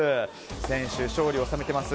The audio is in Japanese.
先週、勝利を収めています。